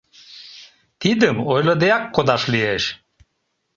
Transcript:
Тидым ойлыдеак кодаш лиеш.